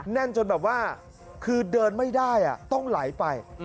แน่นจนแบบว่าคือเดินไม่ได้ต้องไหลไป